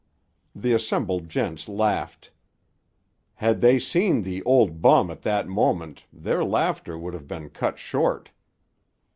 The assembled gents laughed. Had they seen the "ol' bum" at that moment their laughter would have been cut short.